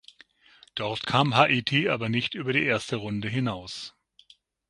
Dort kam Haiti aber nicht über die erste Runde hinaus.